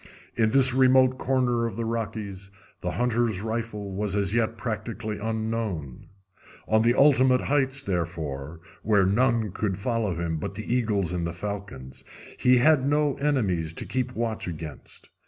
In this remote corner of the Rockies the hunter's rifle was as yet practically unknown. On the ultimate heights, therefore, where none could follow him but the eagles and the falcons, he had no enemies to keep watch against.